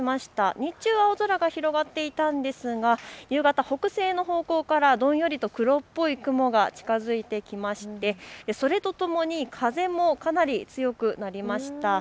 日中は青空が広がっていたんですが夕方、北西の方向からどんより黒っぽい雲が近づいてきましてそれとともに風も強くなりました。